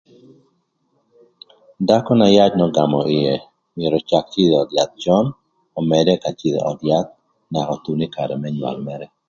Dhakö na yac n'ögamö ïë myero öcak cïdhö ï öd yath cön ömëdërë ka cïdhö ï öd yath naka othun ï karë më nywöl mërë.